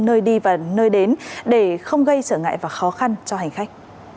nơi đi và nơi đến để không gây trở ngại và khó khăn cho hành khách